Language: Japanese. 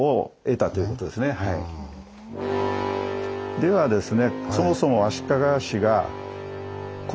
ではですね